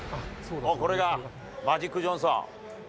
これがマジック・ジョンソン。